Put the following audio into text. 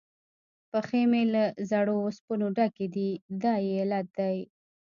پښې مې له زړو اوسپنو ډکې دي، دا یې علت دی.